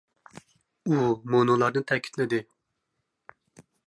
ئۇ مۇنۇلارنى تەكىتلىدى.